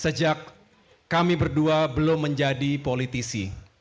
sejak kami berdua belum menjadi politisi